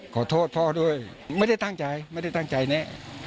ขอโทษพ่อด้วยไม่ได้ตั้งใจไม่ได้ตั้งใจแน่